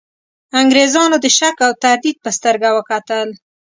انګرېزانو د شک او تردید په سترګه وکتل.